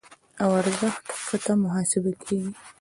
له ارزښت کښته محاسبه کېږي.